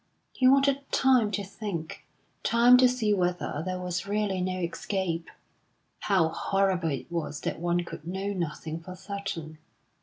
He wanted time to think time to see whether there was really no escape. How horrible it was that one could know nothing for certain!